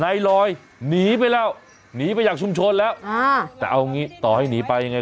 ลอยหนีไปแล้วหนีไปจากชุมชนแล้วอ่าแต่เอางี้ต่อให้หนีไปยังไง